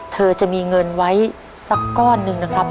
เธอจะมีเงินไว้สักก้อนหนึ่งนะครับ